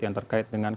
yang terkait dengan